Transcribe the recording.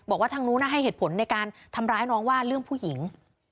บอกว่าทางนู้นให้เหตุผลในการทำร้ายน้องว่าเรื่องผู้หญิง